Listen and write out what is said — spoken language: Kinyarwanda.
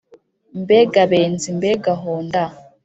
mbega benzi mbega honda